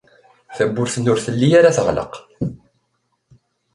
Tawwurt-nni ur telli ara teɣleq.